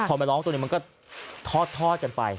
พอมาร้องตัวหนึ่งมันก็ทอดกันไป